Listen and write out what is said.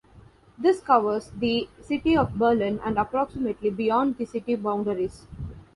This covers the city of Berlin and approximately beyond the city boundaries.